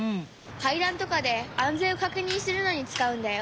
かいだんとかであんぜんをかくにんするのにつかうんだよ。